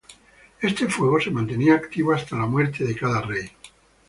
Este fuego se mantenía activo hasta la muerte de cada rey.